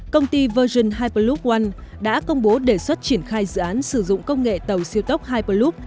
công ty virgin hyperloop one đã công bố đề xuất triển khai dự án sử dụng công nghệ tàu siêu tốc hyperloop